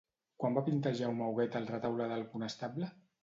Quan va pintar Jaume Huguet el Retaule del Conestable?